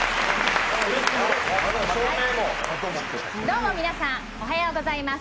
どうも皆さん、おはようございます。